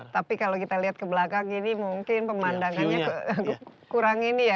tapi kalau kita lihat ke belakang ini mungkin pemandangannya kurang ini ya